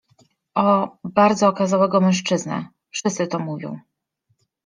— O… bardzo okazałego mężczyznę, wszyscy to mówią.